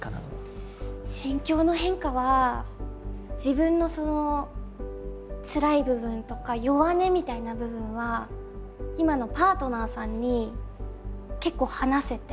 心境の変化は自分のつらい部分とか弱音みたいな部分は今のパートナーさんに結構話せて。